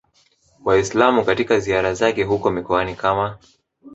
Waislam katika ziara zake huko mikoani kama